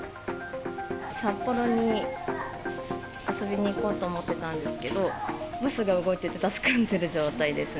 札幌に遊びに行こうと思ってたんですけど、バスが動いてて助かっている状態ですね。